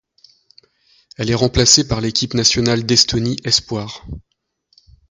Elle est remplacée par l'Équipe nationale d'Estonie espoirs.